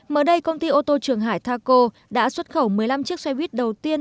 mới đây công ty ô tô trường hải taco đã xuất khẩu một mươi năm chiếc xoay buýt đầu tiên